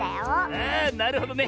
あなるほどね。